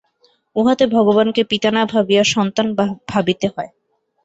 উহাতে ভগবানকে পিতা না ভাবিয়া সন্তান ভাবিতে হয়।